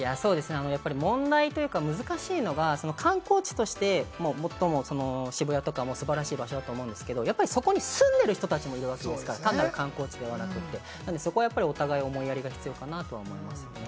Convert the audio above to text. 問題というか、難しいのが観光地として最も渋谷とか素晴らしい場所だと思うんですけれども、そこに住んでる人たちもいるわけですから、ただの観光地ではなくて、そこは思いやりが必要かなと思いますね。